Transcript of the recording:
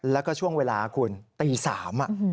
แล้วก็ช่วงเวลาคุณตี๓